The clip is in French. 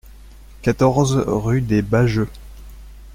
quatorze rue des Bajeux